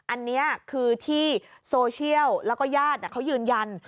อันนี้คือที่โซเชียลแล้วก็ญาติเขายืนยัน